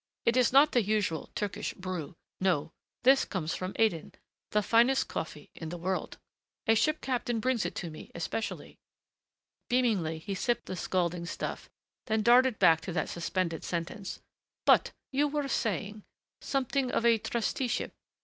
It is not the usual Turkish brew. No, this comes from Aden, the finest coffee in the world. A ship captain brings it to me, especially." Beamingly he sipped the scalding stuff, then darted back to that suspended sentence. "But you were saying something of a trusteeship?...